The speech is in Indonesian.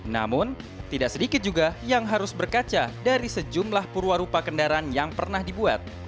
namun tidak sedikit juga yang harus berkaca dari sejumlah purwarupa kendaraan yang pernah dibuat